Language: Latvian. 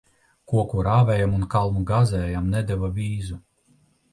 Koku rāvējam un kalnu gāzējam nedeva vīzu.